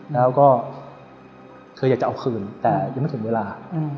แล้วก็คืออยากจะเอาคืนแต่ยังไม่ถึงเวลา